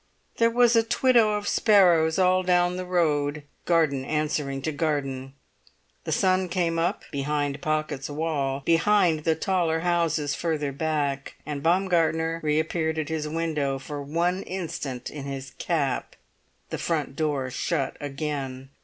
There was a twitter of sparrows all down the road, garden answering to garden. The sun came up behind Pocket's wall, behind the taller houses further back. And Baumgartner reappeared at his window for one instant in his cap. The front door shut again.